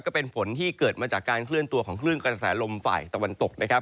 ก็เป็นฝนที่เกิดมาจากการเคลื่อนตัวของคลื่นกระแสลมฝ่ายตะวันตกนะครับ